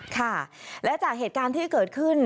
ค่ะและจากเหตุการณ์ที่เกิดขึ้น